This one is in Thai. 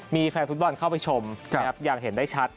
มีแฟนฟุตบอลเข้าไปชมอย่างเห็นได้ชัด